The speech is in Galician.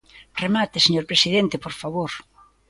Remate, señor presidente, por favor.